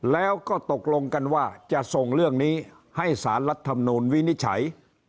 แล้วก็ตกลงกันว่าจะส่งเรื่องนี้ให้สารรัฐมนูลวินิจฉัย